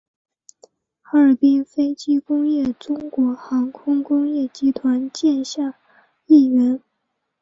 哈尔滨飞机工业中国航空工业集团旗下一员。